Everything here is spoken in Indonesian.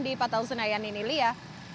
di patau senayan ini lia